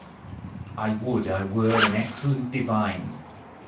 I would I were an excellent divine.